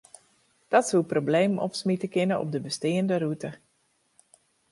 Dat soe problemen opsmite kinne op de besteande rûte.